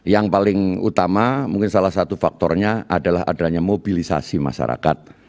yang paling utama mungkin salah satu faktornya adalah adanya mobilisasi masyarakat